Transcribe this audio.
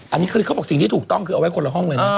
อันนี้คือเขาบอกสิ่งที่ถูกต้องคือเอาไว้คนละห้องเลยนะ